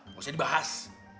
gak usah dibahas